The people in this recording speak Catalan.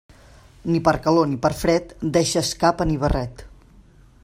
Ni per calor ni per fred, deixes capa ni barret.